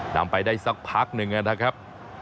นำไปได้สักพักหนึ่งนะครับ